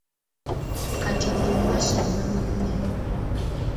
Kati bulu omu asonyiiwe munne.